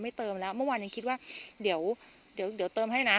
เติมแล้วเมื่อวานยังคิดว่าเดี๋ยวเดี๋ยวเติมให้นะ